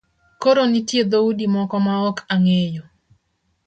Koro nitie dhoudi moko maok angeyo